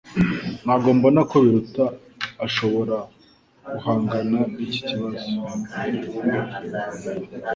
Ntabwo mbona ko Biruta ashobora guhangana niki kibazo